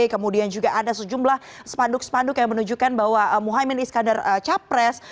kemudian juga ada sejumlah spanduk spanduk yang menunjukkan bahwa muhaymin iskandar capres